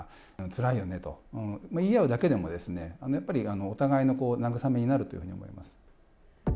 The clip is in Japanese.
つらいよねと、言い合うだけでも、やっぱりお互いの慰めになると思います。